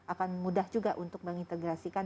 akan mudah juga untuk mengintegrasikan